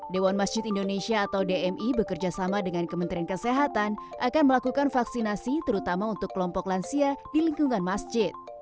dewan masjid indonesia atau dmi bekerjasama dengan kementerian kesehatan akan melakukan vaksinasi terutama untuk kelompok lansia di lingkungan masjid